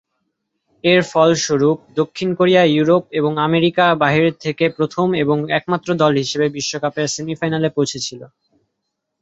এর ফলস্বরূপ দক্ষিণ কোরিয়া ইউরোপ এবং আমেরিকার বাইরে থেকে প্রথম এবং একমাত্র দল হিসেবে বিশ্বকাপের সেমিফাইনালে পৌঁছেছিল।